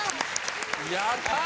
・やった！